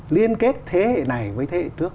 liên kết thế hệ này với thế hệ trước